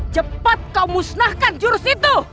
cepat kau musnahkan jurus itu